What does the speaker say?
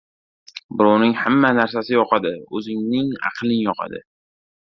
• Birovning hamma narsasi yoqadi, o‘zingning aqling yoqadi.